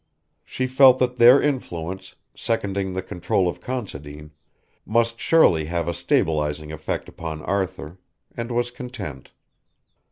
She felt that their influence, seconding the control of Considine, must surely have a stabilising effect upon Arthur, and was content.